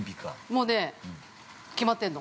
◆もうね、決まってんの。